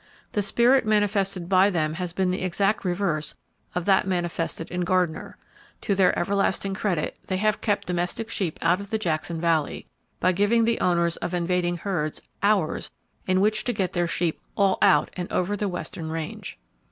The spirit manifested by them has been the exact reverse of that manifested in Gardiner. To their everlasting credit, they have kept domestic sheep out of the Jackson Valley,—by giving the owners of invading herds "hours" in which to get their sheep "all out, and over the western range."